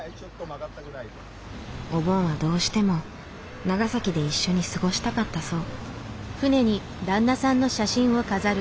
お盆はどうしても長崎で一緒に過ごしたかったそう。